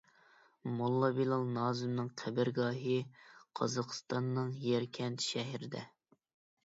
موللا بىلال نازىمىنىڭ قەبرىگاھى قازاقسىتاننىڭ يەركەنت شەھىرىدە.